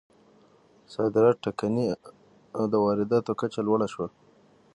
صادرات ټکني او د وارداتو کچه لوړه شوه.